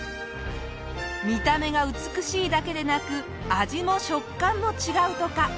見た目が美しいだけでなく味も食感も違うとか。